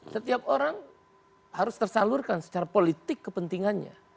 setiap orang harus tersalurkan secara politik kepentingannya